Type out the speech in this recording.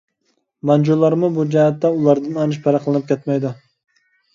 مانجۇلارمۇ بۇ جەھەتتە ئۇلاردىن ئانچە پەرقلىنىپ كەتمەيدۇ.